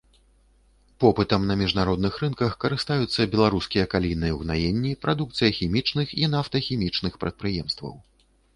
Попытам на міжнародных рынках карыстаюцца беларускія калійныя ўгнаенні, прадукцыя хімічных і нафтахімічных прадпрыемстваў.